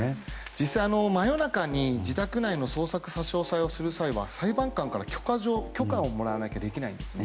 実際、真夜中に自宅内の捜索差し押さえをするには裁判官から許可状、許可をもらわなきゃできないんですね。